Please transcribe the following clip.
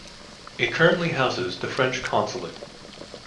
It currently houses the French consulate.